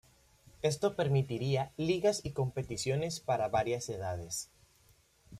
Esto permitirá ligas y competiciones para varias edades.